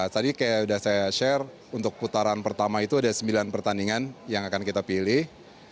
tadi kayak sudah saya share untuk putaran pertama itu ada sembilan pertandingan yang akan kita pilih